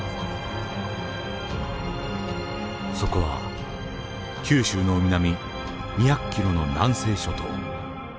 そこは九州の南２００ｋｍの南西諸島。